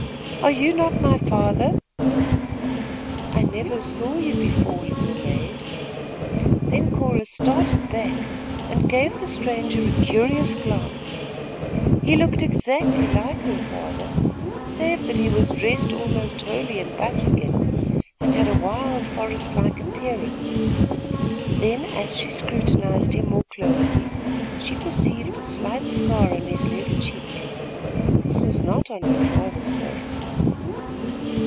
"Are you not my father?" "I never saw you before, little maid." Then Cora started back and gave the stranger a curious glance. He looked exactly like her father, save that he was dressed almost wholly in buckskin, and had a wild, forest like appearance. Then, as she scrutinized him more closely, she perceived a slight scar on his left cheek. This was not on her father's face.